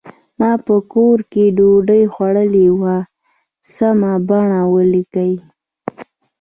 ما په کور کې ډوډۍ خوړلې وه سمه بڼه ولیکئ.